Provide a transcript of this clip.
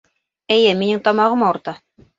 Эйе, минең тамағым ауырта